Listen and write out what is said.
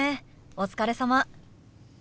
お疲れさま。